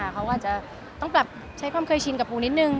เขาก็อาจจะต้องปรับใช้ความเคยชินกับปูนิดนึง